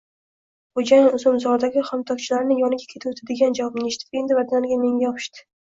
Xo‘jayin uzumzordagi xomtokchilarning yoniga ketuvdi, degan javobni eshitib, endi birdaniga menga yopishdi: